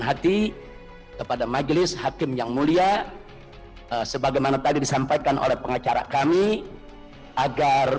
hati kepada majelis hakim yang mulia sebagaimana tadi disampaikan oleh pengacara kami agar